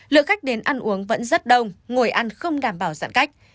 lượng khách đến ăn uống vẫn rất đông ngồi ăn không đảm bảo giãn cách